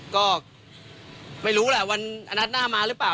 ก็ไม่รู้แหละวันนัดหน้ามาหรือเปล่า